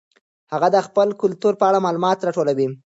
هغه د خپل کلتور په اړه معلومات راټولوي.